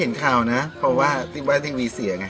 ยังไม่เห็นข่าวนะเพราะว่าติ๊กบ้านทีวีเสียไง